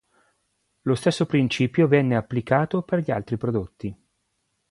Lo stesso principio venne applicato per gli altri prodotti.